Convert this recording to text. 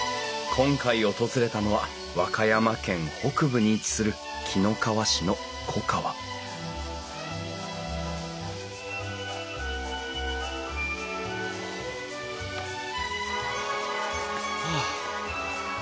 今回訪れたのは和歌山県北部に位置する紀の川市の粉河はあ。